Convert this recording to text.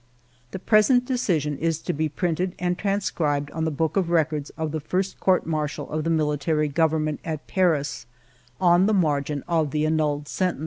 The present decision is to be printed and transcribed on the Book of Records of the first Court Martial of the Military Government at Paris on the margin of the annulled sentence.